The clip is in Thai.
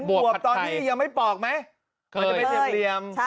บวบตอนนี้ยังไม่ปอกไหม